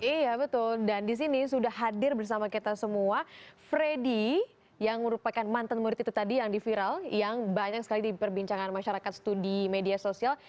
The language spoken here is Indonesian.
iya betul dan disini sudah hadir bersama kita semua freddy yang merupakan mantan murid itu tadi yang diviral yang banyak sekali di perbincangan masyarakat studi media sosial